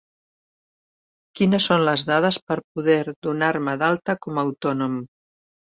Quines són les dades per poder donar-me d'alta com a autònom?